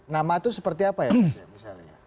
nama itu seperti apa ya mas ya misalnya